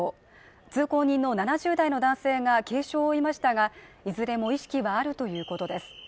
通行人の７０代の男性が軽傷を負いましたが、いずれも意識はあるということです。